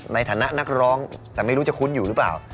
ในฐานะนักร้องแต่ไม่รู้จะคุ้นอยู่หรือเปล่า